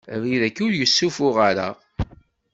Abrid agi ur yessufuɣ ara.